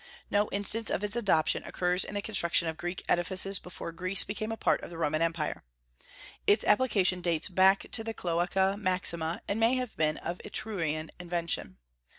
No instance of its adoption occurs in the construction of Greek edifices before Greece became a part of the Roman empire. Its application dates back to the Cloaca Maxima, and may have been of Etrurian invention.